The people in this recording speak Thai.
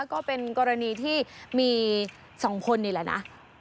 ก็เป็นกรณีที่มี๒คนนี่แหละนะ